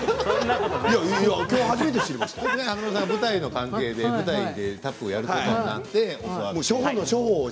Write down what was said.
舞台の関係で舞台でタップをやることがあって５０